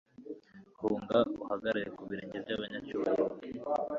Hunga uhagarare ku birenge by'abanyacyubahiro